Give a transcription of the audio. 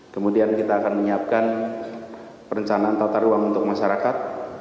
kemudian kita akan menyiapkan perencanaan tata ruang untuk masyarakat